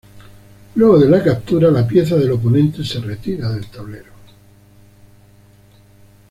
Luego de la captura, la pieza del oponente se retira del tablero.